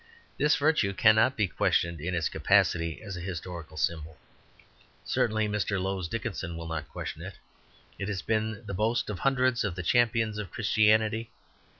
This virtue cannot be questioned in its capacity as a historical symbol; certainly Mr. Lowes Dickinson will not question it. It has been the boast of hundreds of the champions of Christianity.